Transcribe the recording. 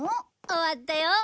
終わったよ。